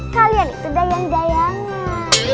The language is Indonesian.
kalian itu dayang dayangan